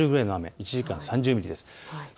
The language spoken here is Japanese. １時間に３０ミリです。